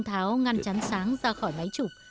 ông tháo ngăn chắn sáng ra khỏi máy chụp